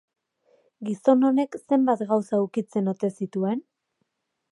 Gizon honek zenbat gauza ukitzen ote zituen?